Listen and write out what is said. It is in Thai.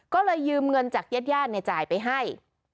ก็เลยยืมเงินจากเย็ดย่านในจ่ายไปให้